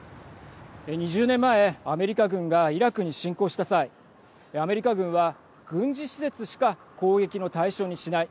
２０年前、アメリカ軍がイラクに侵攻した際アメリカ軍は軍事施設しか攻撃の対象にしない。